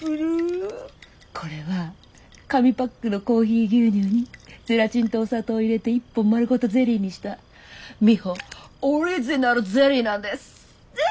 これは紙パックのコーヒー牛乳にゼラチンとお砂糖を入れて一本丸ごとゼリーにしたミホオリジナルゼリーなんです。